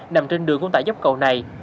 nằm trên đường cũng tại dốc cầu này